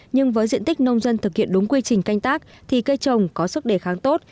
nhưng với diện tích nông dân thực hiện đúng quy trình canh tác thì cây trồng có sức đề kháng tốt